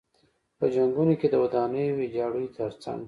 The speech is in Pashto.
په جنګونو کې د ودانیو ویجاړیو تر څنګ.